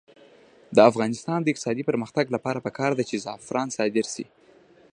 د افغانستان د اقتصادي پرمختګ لپاره پکار ده چې زعفران صادر شي.